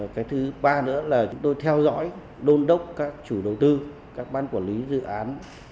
cái thứ ba nữa là chúng tôi theo dõi đôn đốc các chủ đầu tư các ban quản lý dự án